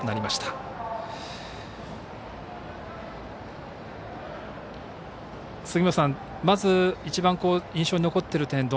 まず一番印象に残っている点